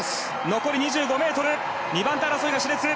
残り２５ｍ２番手争いが熾烈！